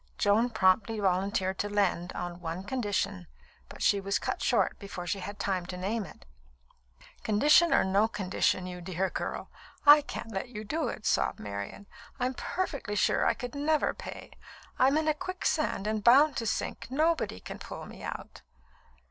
Joan promptly volunteered to lend, on one condition, but she was cut short before she had time to name it. "Condition or no condition, you dear girl, I can't let you do it," sobbed Marian. "I'm perfectly sure I could never pay. I'm in a quicksand and bound to sink. Nobody can pull me out."